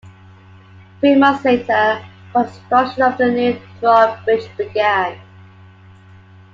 Three months later, construction of the new drawbridge began.